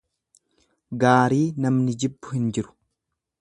Gaarii namni jibbu hin jiru.